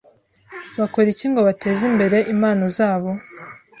bakora iki ngo bateze imbere impano zabo